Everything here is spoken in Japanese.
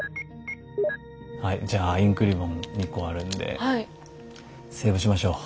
はいじゃあインクリボン２個あるんでセーブしましょう。